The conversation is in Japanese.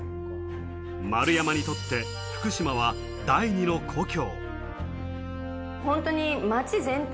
丸山にとって福島は第２の故郷。